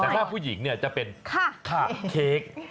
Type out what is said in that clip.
ค่าผู้หญิงเนี้ยจะเป็นค่าเค้ก